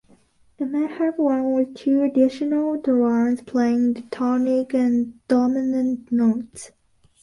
It may have one or two additional drones playing the tonic and dominant notes.